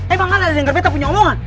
emang ale dengar betta punya omongan